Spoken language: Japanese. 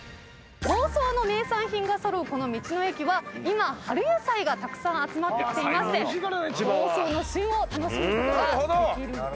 房総の名産品が揃うこの道の駅は今春野菜がたくさん集まってきていまして房総の旬を楽しむことができる。